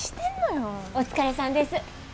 お疲れさんです。